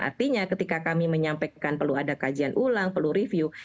artinya ketika kami menyampaikan perlu ada kajian ulang perlu review